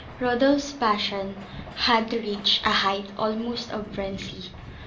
Rodolph's passion had reached a height almost of frenzy.